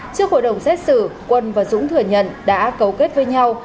trước hội đồng xét xử quân và dũng thừa nhận đã cấu kết với nhau